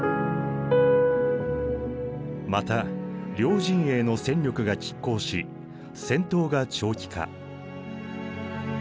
また両陣営の戦力がきっ抗し戦闘が長期化。